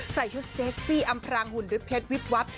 ใส่ชุดเซ็กซี่อำพรางหุ่นด้วยเพชรวิบวับ